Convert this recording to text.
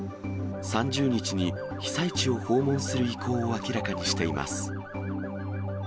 ３０日に被災地を訪問する意向を明らかにしています。